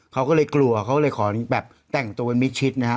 เขาก็เลยกลัวเขาเลยขอแบบแต่งตัวเป็นมิดชิดนะครับ